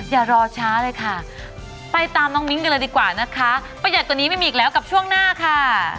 อย่ารอช้าเลยค่ะไปตามน้องมิ้งกันเลยดีกว่านะคะประหยัดตัวนี้ไม่มีอีกแล้วกับช่วงหน้าค่ะ